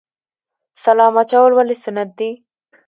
سلام اچول ولې سنت دي؟